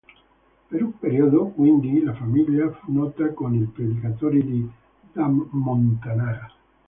Per un periodo, quindi, la famiglia fu nota con il predicato di "da Montanara".